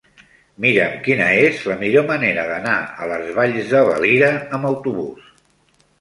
Mira'm quina és la millor manera d'anar a les Valls de Valira amb autobús.